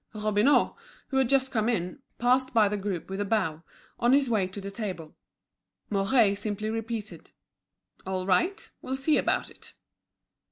Robineau, who had just come in, passed by the group with a bow, on his way to the table. Mouret simply repeated: "All right, we'll see about it."